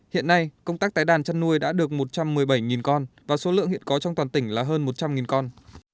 hiện nay công tác tái đàn chăn nuôi đã được một trăm một mươi bảy con và số lượng hiện có trong toàn tỉnh là hơn một trăm linh con